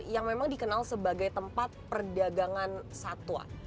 yang memang dikenal sebagai tempat perdagangan satwa